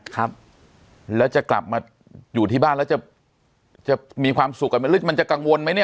ครับแล้วจะกลับมาอยู่ที่บ้านแล้วจะจะมีความสุขกันไหมหรือมันจะกังวลไหมเนี่ย